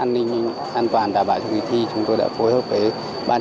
an ninh quy chế về công tác an ninh an toàn đảm bảo cho kỳ thi chúng tôi đã phối hợp với ban